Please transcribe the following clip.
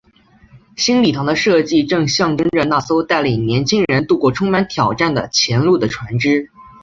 新礼堂的设计正象征着那艘带领年青人渡过充满挑战的前路的船只。